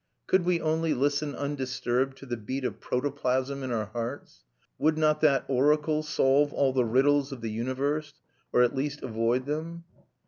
Could we only listen undisturbed to the beat of protoplasm in our hearts, would not that oracle solve all the riddles of the universe, or at least avoid them?